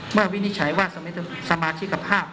วินิจฉัยว่าสมาชิกภาพ